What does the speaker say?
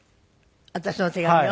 私の手紙を？